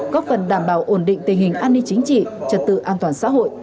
góp phần đảm bảo ổn định tình hình an ninh chính trị trật tự an toàn xã hội